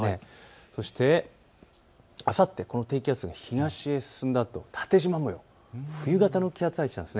そしてあさってこの低気圧が東へ進んだあと、縦じま模様、冬型の気圧配置です。